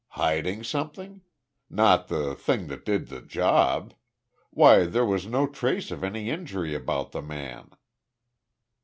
"Hiding something? Not the thing that did the job? Why there was no trace of any injury about the man."